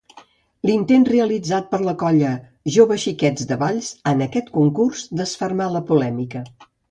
L'intent realitzat per la Colla Joves Xiquets de Valls en aquest concurs desfermà la polèmica.